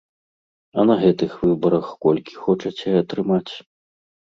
А на гэтых выбарах колькі хочаце атрымаць?